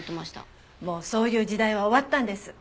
もうそういう時代は終わったんです。